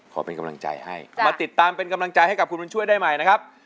ขอเป็นกำลังใจให้มาติดตามเป็นกำลังใจให้กับคุณบุญช่วยได้ใหม่นะครับ